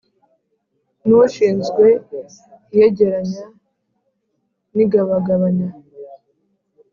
N ushinzwe iyegeranya n igabagabanya